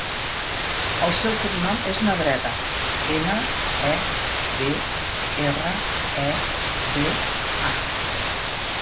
El seu cognom és Nebreda: ena, e, be, erra, e, de, a.